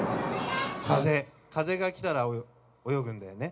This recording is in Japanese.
風、風が来たら泳ぐんだよね。